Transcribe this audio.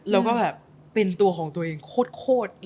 แล้วก็แบบเป็นตัวของตัวเองโคตร